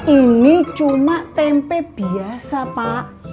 ini cuma tempe biasa pak